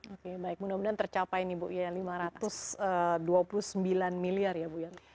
oke mudah mudahan tercapai lima ratus dua puluh sembilan miliar ya bu yanda